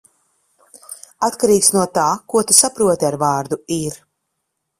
Atkarīgs no tā, ko tu saproti ar vārdu "ir".